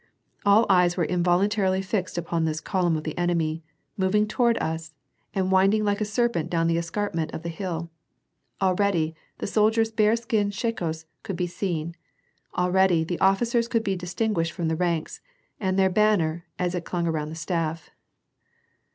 All eyes were involuntarily fixed upon this column of the enemy moving toward us, and winding like a serpent down the escarpment of the hill. Already, the soldiers' bearskin shakos could be seen ; already, the officers could be distinguished from the ranks, and their banner, as it clung around the staff.